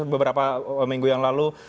beberapa minggu yang lalu